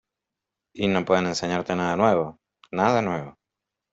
Y no pueden enseñarte nada nuevo, nada nuevo.